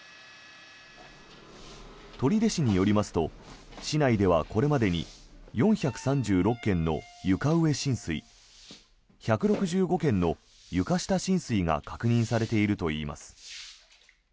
取手市によりますと市内では、これまでに４３６軒の床上浸水１６５軒の床下浸水が確認されているといいます。